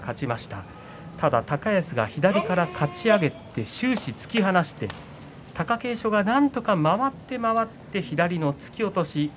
ただ高安は左からかち上げて終始突き離して貴景勝がなんとか回って回って左の突き落とし。